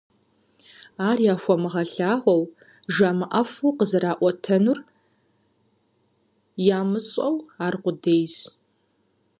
Ар яхуэмыгъэлъагъуэу, жамыӀэфу, къызэраӀуэтэнур ямыщӀэу аркъудейщ.